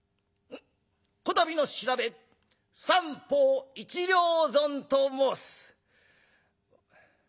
こたびの調べ『三方一両損』と申す」。